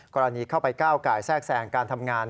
กรณีเข้าไปก้าวไก่แทรกแสงการทำงาน